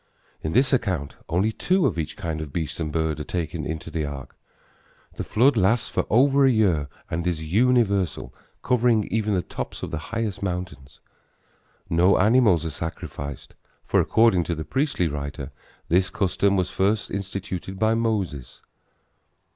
In this account only two of each kind of beast and bird are taken into the ark. The flood lasts for over a year and is universal, covering even the tops of the highest mountains. No animals are sacrificed, for according to the priestly writer this custom was first instituted by Moses.